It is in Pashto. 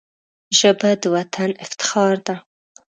ژبه د وطن افتخار ده